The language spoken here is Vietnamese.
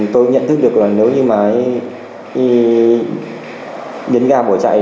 tôi nhận thức được là nếu như mà biến ga bỏ chạy